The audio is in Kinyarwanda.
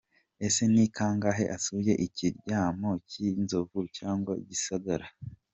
Ese ni kangahe asuye ikiryamo cy’inzovu cyangwa Gisagara?